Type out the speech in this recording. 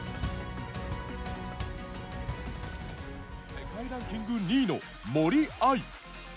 世界ランキング２位の森秋彩。